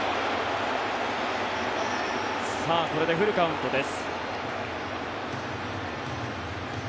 これでフルカウントです。